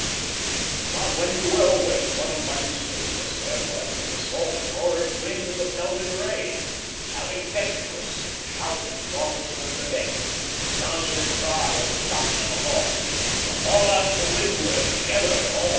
But, when you were awake, what a mighty stimulus there was in the salt roaring wind and the pelting rain! how infectious the shout of the officer of the deck! the answering cry of the topmen aloft the "Haul out to windward! Together! All!"